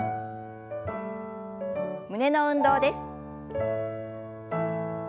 胸の運動です。